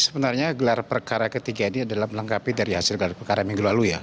sebenarnya gelar perkara ketiga ini adalah melengkapi dari hasil gelar perkara minggu lalu ya